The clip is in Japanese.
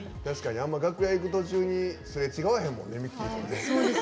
あんま楽屋に行く途中にすれ違えへんもんね。